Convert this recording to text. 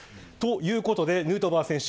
ということでヌートバー選手